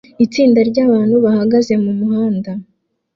Itsinda ryabantu bahagaze mumuhanda